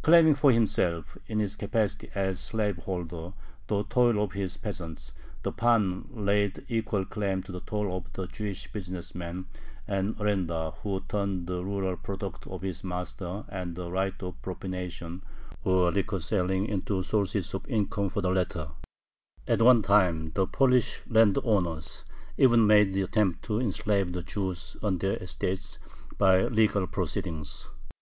Claiming for himself, in his capacity as slaveholder, the toil of his peasants, the pan laid equal claim to the toil of the Jewish business man and arendar who turned the rural products of his master and the right of "propination," or liquor selling, into sources of income for the latter. At one time the Polish landowners even made the attempt to enslave the Jews on their estates by legal proceedings.